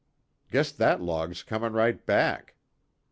Guess that log's comin' right back."